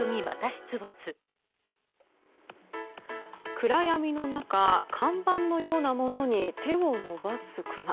暗闇の中看板のようなものに手を伸ばすクマ。